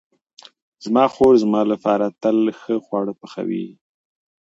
زما خور زما لپاره تل ښه خواړه پخوي.